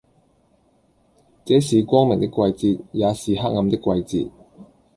這是光明的季節，也是黑暗的季節，